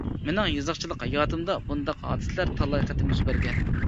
مېنىڭ يېزىقچىلىق ھاياتىمدا، بۇنداق ھادىسىلەر تالاي قېتىم يۈز بەرگەن.